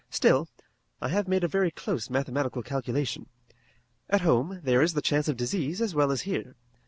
Still, I have made a very close mathematical calculation. At home there is the chance of disease as well as here.